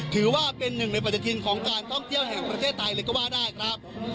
ถือว่าเป็นหนึ่งในปฏิทินของการท่องเที่ยวแห่งประเทศไทยเลยก็ว่าได้ครับ